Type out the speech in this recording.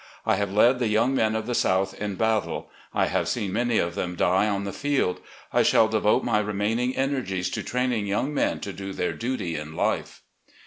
I have led the young men of the South in battle; I have seen many of them die on the field; I shall devote my remaining energies to training yotmg men to do their duty in life."